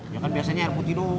ya kan biasanya air putih dulu